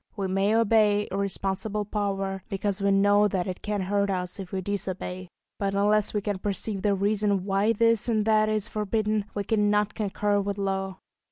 We may obey irresponsible power, because we know that it can hurt us if we disobey; but unless we can perceive the reason why this and that is forbidden, we cannot concur with law.